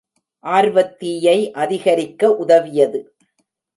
ஆர்வத்தீயை அதிகரிக்க உதவியது.